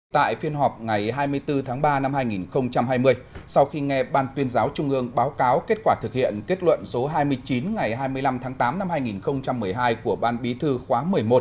tại phiên họp ngày hai mươi bốn tháng ba năm hai nghìn hai mươi sau khi nghe ban tuyên giáo trung ương báo cáo kết quả thực hiện kết luận số hai mươi chín ngày hai mươi năm tháng tám năm hai nghìn một mươi hai của ban bí thư khóa một mươi một